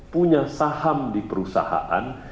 punya saham di perusahaan